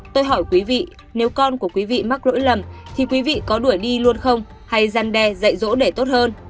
tôi hỏi quý vị nếu con của quý vị mắc lỗi lầm thì quý vị có đuổi đi luôn không hay gian đe dạy dỗ để tốt hơn